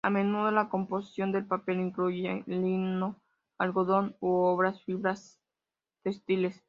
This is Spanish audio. A menudo la composición del papel incluye lino, algodón u otras fibras textiles.